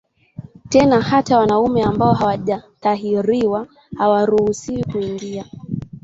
Tena hata wanaume ambao hawajatahiriwa hawaruhusiwi kuingia